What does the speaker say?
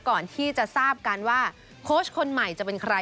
ก่อนที่จะทราบกันว่าโค้ชคนใหม่จะเป็นใคร